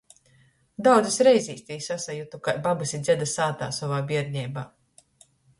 Daudzys reizis tī sasajutu kai babys i dzeda sātā sovā bierneibā.